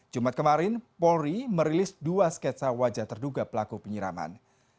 jumat kemarin polri merilis dua sketsa wajah terduga pelaku penyiraman